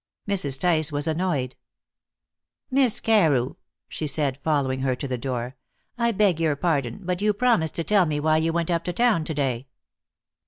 Mrs. Tice was annoyed. "Miss Carew," she said, following her to the door, "I beg your pardon, but you promised to tell me why you went up to town to day."